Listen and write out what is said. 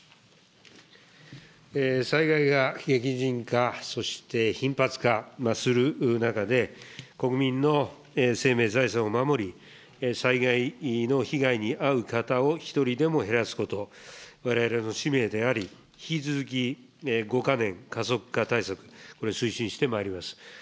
災害が激甚化、そして頻発化する中で、国民の生命、財産を守り、災害の被害に遭う方を一人でも減らすこと、われわれの使命であり、引き続き５か年加速化対策、これを推進してまいります。